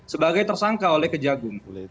sebagai tersangka oleh kejagung